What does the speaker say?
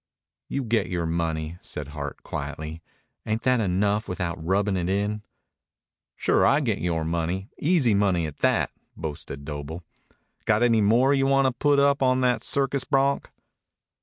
"You get our money," said Hart quietly. "Ain't that enough without rubbin' it in?" "Sure I get yore money easy money, at that," boasted Doble. "Got any more you want to put up on the circus bronc?"